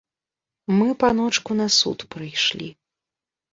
Мы, паночку, на суд прыйшлі.